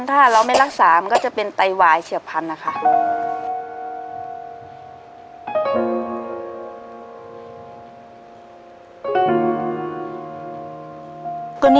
ถ้าเราไม่รักษามันก็จะเป็นไตวายเฉียบพันธุ์นะคะ